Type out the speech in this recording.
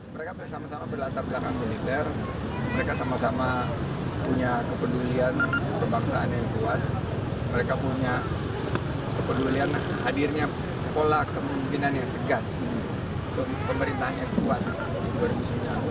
mereka bersama sama berlatar belakang militer mereka sama sama punya kepedulian kebangsaan yang kuat